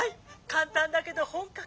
簡単だけど本格的。